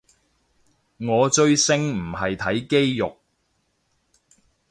我追星唔係睇肌肉